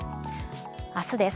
明日です。